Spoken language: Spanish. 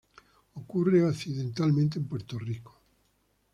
Ocurre accidentalmente en Puerto Rico.